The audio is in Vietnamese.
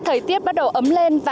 thời tiết bắt đầu ấm lên